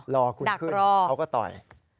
รอคุณขึ้นเขาก็ต่อย